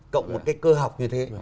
cộng một cái cơ học như thế